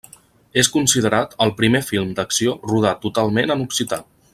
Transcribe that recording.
És considerat el primer film d'acció rodat totalment en occità.